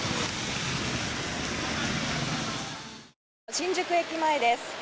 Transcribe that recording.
新宿駅前です。